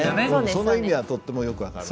その意味はとってもよく分かる。